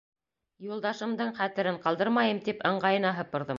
— Юлдашымдың хәтерен ҡалдырмайым тип, ыңғайына һыпырҙым.